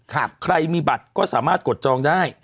ใครมีบัตรก็สามารถกดจองได้